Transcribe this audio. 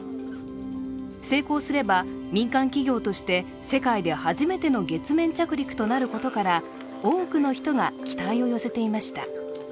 成功すれば、民間企業として世界で初めての月面着陸となることから多くの人が期待を寄せていました。